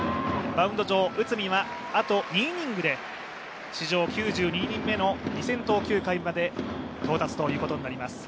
マウンド上、内海はあと２イニングで史上９２人目の２０００投球回まで到達となります。